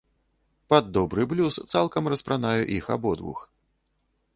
Пад добры блюз цалкам распранаю іх абодвух.